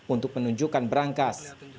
untuk menunjukkan berangkas